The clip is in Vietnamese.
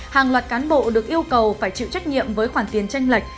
hàng loạt cán bộ được yêu cầu phải chịu trách nhiệm với khoản tiền tranh lệch